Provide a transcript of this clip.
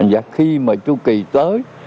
và khi mà chú kỳ tới